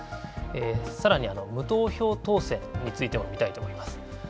さらに、無投票当選についても見たいと思います。